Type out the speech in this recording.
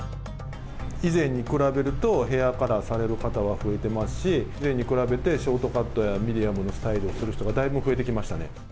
以前に比べると、ヘアカラーされる方は増えてますし、以前に比べてショートカットやミディアムのスタイルをする人がだ